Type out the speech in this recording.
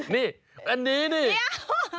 นี่อันนี้นี่เหลี้ยว